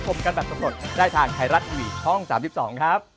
สวัสดีครับ